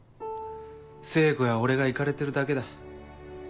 聖子や俺がイカれてるだけだ。